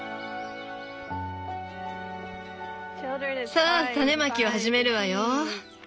さあ種まきを始めるわよ！